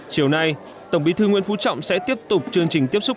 chiều nay tổng bí thư nguyễn phú trọng sẽ tiếp tục chương trình tiếp xúc